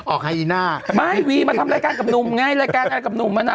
ไฮยีน่าไม่วีมาทำรายการกับหนุ่มไงรายการอะไรกับหนุ่มมาน่ะ